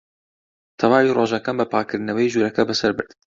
تەواوی ڕۆژەکەم بە پاککردنەوەی ژوورەکە بەسەر برد.